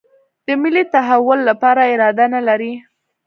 د ملي تحول لپاره اراده نه لري.